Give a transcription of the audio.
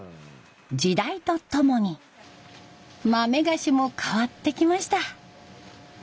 時代とともに豆菓子も変わってきました。